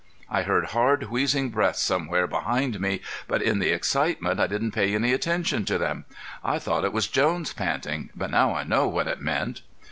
I heard hard, wheezing breaths somewhere behind me, but in the excitement I didn't pay any attention to them. I thought it was Jones panting, but now I know what it meant."